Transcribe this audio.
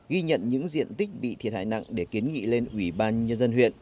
ghi nhận những diện tích bị thiệt hại nặng để kiến nghị lên ủy ban nhân dân huyện